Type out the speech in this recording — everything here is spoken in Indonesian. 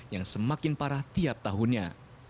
yang semakin parah tiap tahunnya